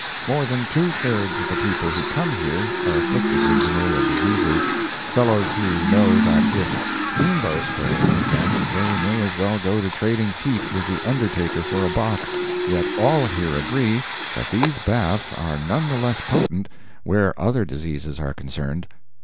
More than two thirds of the people who come here are afflicted with venereal diseases—fellows who know that if "Steamboat" fails with them they may as well go to trading feet with the undertaker for a box—yet all here agree that these baths are none the less potent where other diseases are concerned.